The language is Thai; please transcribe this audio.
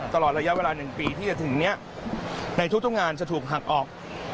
ตลอดระยะเวลา๑ปีที่จะถึงนี้ในทุกงานจะถูกหักออก